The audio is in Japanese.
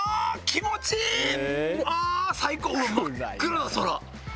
うわっ真っ暗だ空。